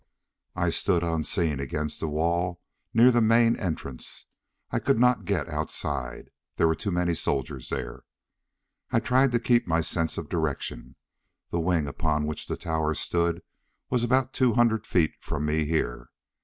I stood unseen against the wall near the main entrance. I could not get outside. There were too many soldiers there. I tried to keep my sense of direction. The wing upon which the tower stood was about two hundred feet from me here.